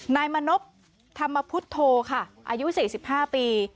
นายมณพธรรมพุทธโธค่ะอายุ๔๕ปี